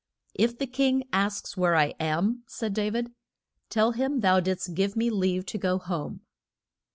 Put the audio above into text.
If the king asks where I am, said Da vid, tell him that thou did'st give me leave to go home.